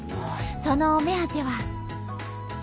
そのお目当ては。